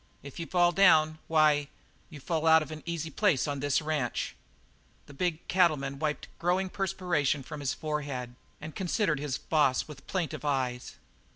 If you fall down, why, you fall out of an easy place on this ranch." The big cattleman wiped a growing perspiration from his forehead and considered his boss with plaintive eyes.